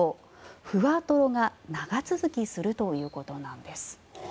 ふわとろが長続きするということなんです。